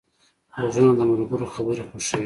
غوږونه د ملګرو خبرې خوښوي